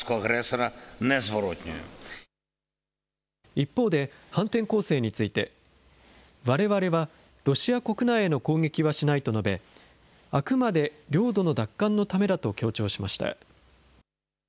一方で、反転攻勢について、われわれはロシア国内への攻撃はしないと述べ、あくまで領土の奪還のためだと強調しました。